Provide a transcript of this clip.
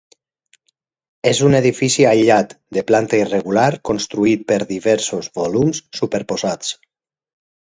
És un edifici aïllat de planta irregular constituït per diversos volums superposats.